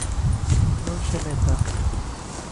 Non se meta.